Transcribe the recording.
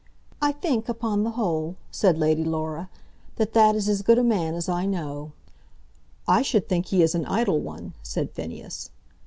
"I think, upon the whole," said Lady Laura, "that that is as good a man as I know." "I should think he is an idle one," said Phineas.